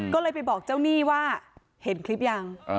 ก็เลยไปบอกเจ้าหนี้ว่าเห็นคลิปยัง